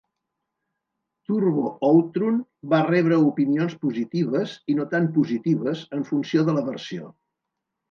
"Turbo Outrun" va rebre opinions positives i no tan positives en funció de la versió.